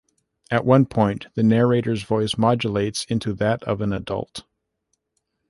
At one point the narrator's voice modulates into that of an adult.